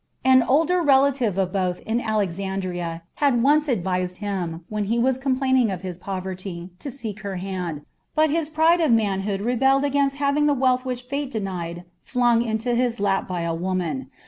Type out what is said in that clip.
An older relative of both in Alexandria had once advised him, when he was complaining of his poverty, to seek her hand, but his pride of manhood rebelled against having the wealth which fate denied flung into his lap by a woman.